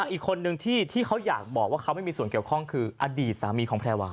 อีกคนนึงที่เขาอยากบอกว่าเขาไม่มีส่วนเกี่ยวข้องคืออดีตสามีของแพรวา